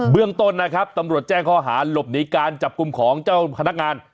เรื่องต้นนะครับตำรวจแจ้งข้อหาหลบหนีการจับกลุ่มของเจ้าพนักงาน